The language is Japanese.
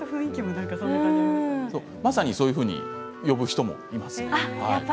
まさにそういうふうに呼ぶ人もいますね。